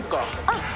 あっ。